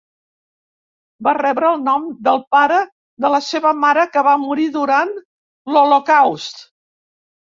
Va rebre el nom del pare de la seva mare, que va morir durant l'Holocaust.